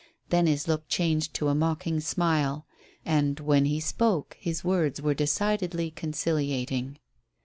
Then his look changed to a mocking smile, and when he spoke his words were decidedly conciliating.